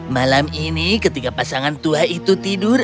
malam ini ketika pasangan tua itu tidur